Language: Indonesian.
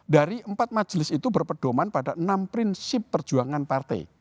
dari empat majelis itu berpedoman pada enam prinsip perjuangan partai